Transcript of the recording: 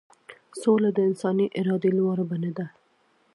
سوله د انساني ارادې لوړه بڼه ده.